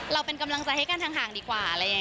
เราเป็นกำลังใจให้กันทางห่างดีกว่าเลย